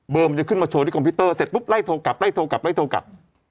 มันจะขึ้นมาโชว์ที่คอมพิวเตอร์เสร็จปุ๊บไล่โทรกลับไล่โทรกลับไล่โทรกลับ